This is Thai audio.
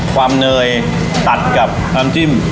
เนยตัดกับน้ำจิ้ม